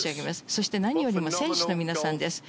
そして何よりも選手の皆さんです。